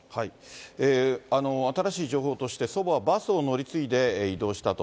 新しい情報として、祖母はバスを乗り継いで移動したと。